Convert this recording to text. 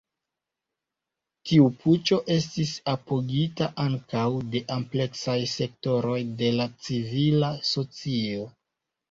Tiu puĉo estis apogita ankaŭ de ampleksaj sektoroj de la civila socio.